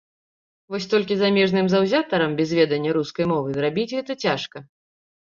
Вось толькі замежным заўзятарам без ведання рускай мовы зрабіць гэта цяжка.